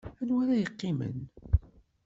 Anwa ara yeqqimen?